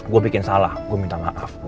gue bikin salah gue minta maaf